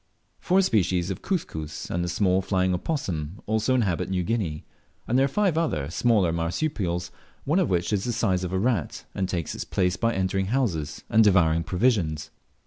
Four species of Cuscus, and the small flying opossum, also inhabit New Guinea; and there are five other smaller marsupials, one of which is the size of a rat, and takes its place by entering houses and devouring provisions.